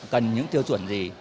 cần những tiêu chuẩn gì